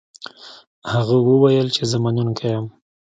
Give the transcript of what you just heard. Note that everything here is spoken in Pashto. هغه وویل چې زه منونکی یم.